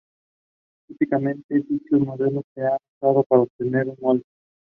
Típicamente dichos modelos se han usado para obtener un molde.